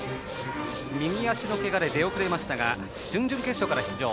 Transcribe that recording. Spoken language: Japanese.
右足のけがで出遅れましたが準々決勝から出場。